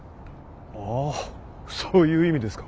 ああそういう意味ですか。